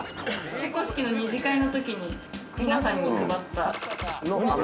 結婚式の２次会のときに皆さんに配った○○。